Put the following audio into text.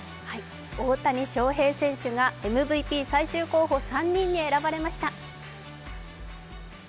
大谷翔平選手がＭＶＰ最終候補３人に選ばれました。